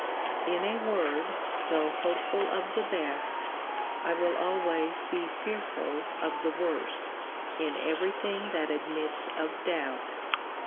In a word, though hopeful of the best, I will always be fearful of the worst, in every thing that admits of doubt.